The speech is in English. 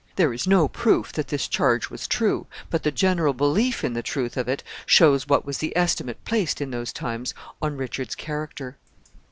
There is no proof that this charge was true, but the general belief in the truth of it shows what was the estimate placed, in those times, on Richard's character.